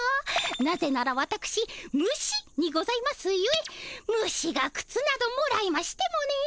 なぜならわたくし虫にございますゆえ虫がくつなどもらいましてもねえ。